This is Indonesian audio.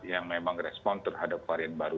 yang memang respon terhadap varian baru